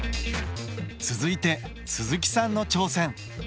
続いて鈴木さんの挑戦。